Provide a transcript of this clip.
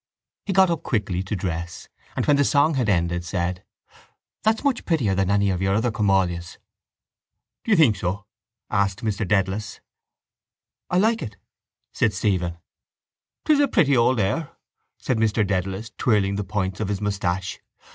He got up quickly to dress and, when the song had ended, said: —That's much prettier than any of your other come all yous. —Do you think so? asked Mr Dedalus. —I like it, said Stephen. —It's a pretty old air, said Mr Dedalus, twirling the points of his moustache.